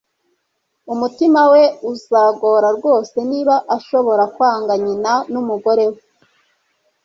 Umutima we uzagora rwose niba ashobora kwanga nyina numugore we.